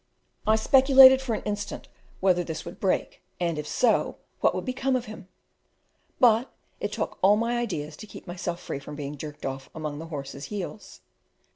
I speculated for an instant whether this would break; and, if so, what would become of him. But it took all my ideas to keep myself from being jerked off among the horses' heels.